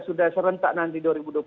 sudah serentak nanti dua ribu dua puluh